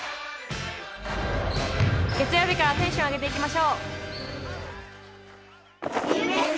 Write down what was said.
月曜日からテンション上げていきましょう！